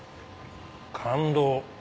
感動！